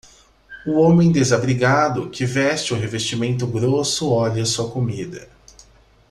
O homem desabrigado que veste o revestimento grosso olha sua comida.